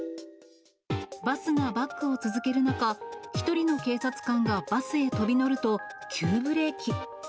バスがバックを続ける中、１人の警察官がバスへ飛び乗ると、急ブレーキ。